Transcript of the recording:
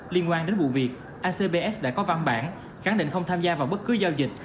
liên quan đến vụ việc acbs đã có văn bản khẳng định không tham gia vào bất cứ giao dịch